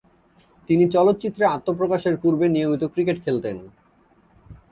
তিনি চলচ্চিত্রে আত্মপ্রকাশ এর পূর্বে নিয়মিত ক্রিকেট খেলতেন।